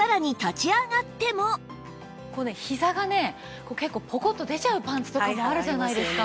さらにひざがね結構ポコッと出ちゃうパンツとかであるじゃないですか。